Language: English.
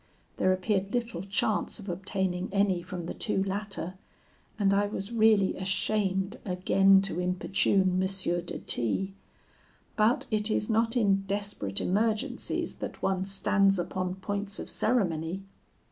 There appeared little chance of obtaining any from the two latter, and I was really ashamed again to importune M. de T . But it is not in desperate emergencies that one stands upon points of ceremony.